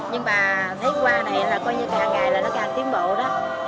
nhưng mà thấy qua này là coi như càng ngày là nó càng tiến bộ đó